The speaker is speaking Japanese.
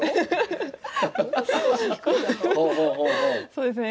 そうですね